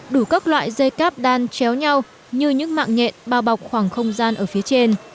đủ các loại dây cáp đan treo nhau như những mạng nhện bao bọc khoảng không gian ở phía trên